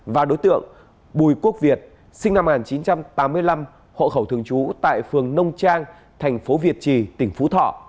và đối tượng bùi quốc việt sinh năm một nghìn chín trăm tám mươi năm hộ khẩu thường trú tại phường nông trang thành phố việt trì tỉnh phú thọ